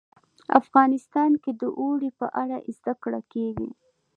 افغانستان کې د اوړي په اړه زده کړه کېږي.